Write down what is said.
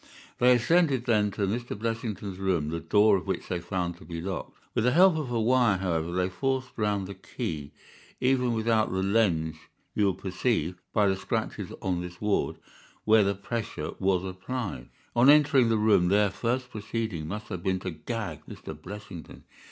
They ascended, then, to Mr. Blessington's room, the door of which they found to be locked. With the help of a wire, however, they forced round the key. Even without the lens you will perceive, by the scratches on this ward, where the pressure was applied. "On entering the room their first proceeding must have been to gag Mr. Blessington.